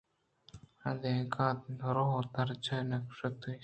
آ تنیگہ دور ءُ درٛاج نہ شُتگ اِتنت